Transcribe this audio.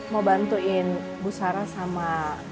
mau bantuin bu sarah sama